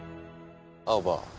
青羽。